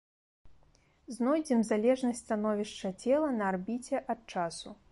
Знойдзем залежнасць становішча цела на арбіце ад часу.